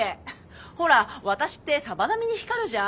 ほら私ってサバ並みに光るじゃん？